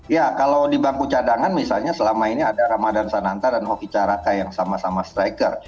ya kalau di bangku cadangan misalnya selama ini ada ramadan sananta dan hoki caraka yang sama sama striker